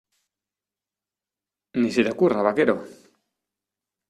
¡ Ni se te ocurra, vaquero!